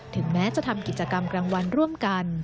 ถึงแม้จะทำกิจกรรมกลางวันร่วมกัน